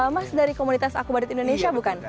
mas dari komunitas akubadit indonesia bukan